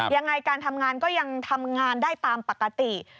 ยังไงการทำงานก็ยังทำงานได้ตามปกติ